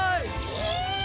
え！？